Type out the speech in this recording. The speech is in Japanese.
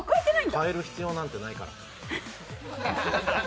変える必要なんてないから。